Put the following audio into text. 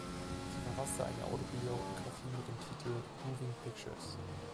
Sie verfasste eine Autobiografie mit dem Titel "Moving Pictures".